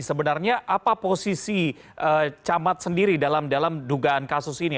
sebenarnya apa posisi camat sendiri dalam dugaan kasus ini